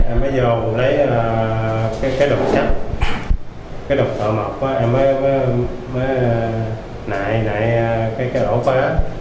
em mới vô lấy cái đồ sắp cái đồ thợ mập em mới nại cái đổ phá